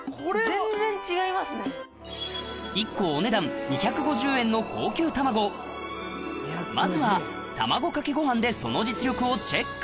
全然違いますね！の高級卵まずは卵かけご飯でその実力をチェック